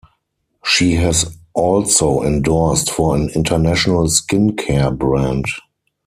She has also endorsed for an international skin care brand.